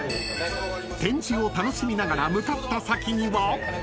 ［展示を楽しみながら向かった先には］